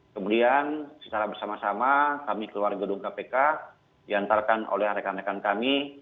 kemudian secara bersama sama kami keluar gedung kpk diantarkan oleh rekan rekan kami